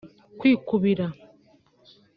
kwikubira